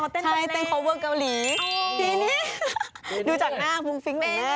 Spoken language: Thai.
อ๋อเต้นเลเบลส์เต้นเคาเวอร์เกาหลีทีนี้ดูจากหน้าฟุ้งฟิ้งเหมือนแม่